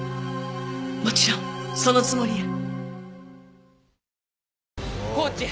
もちろんそのつもりや。